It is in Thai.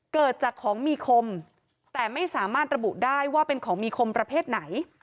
เกิดจากของมีคมแต่ไม่สามารถระบุได้ว่าเป็นของมีคมประเภทไหน